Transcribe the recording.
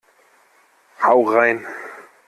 Hau rein!